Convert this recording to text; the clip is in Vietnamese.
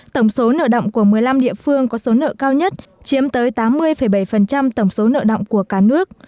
tổng số nợ động của một mươi năm địa phương có số nợ cao nhất chiếm tới tám mươi bảy tổng số nợ động của cả nước